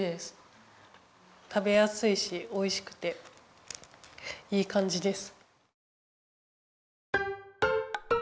食べやすいしおいしくていいかんじです。